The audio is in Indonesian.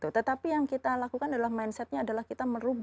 tetapi yang kita lakukan adalah mindsetnya adalah kita merubah